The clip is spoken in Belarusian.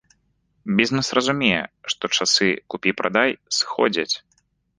Бізнэс разумее, што часы купі-прадай сыходзяць.